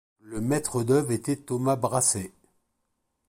Le maître d'œuvre était Thomas Brassey.